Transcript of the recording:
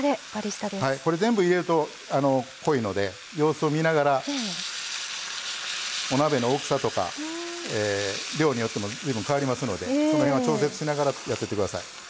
これ、全部入れると濃いので様子を見ながらお鍋の大きさとか量によってもずいぶん変わりますのでその辺は調節しながらやっていってください。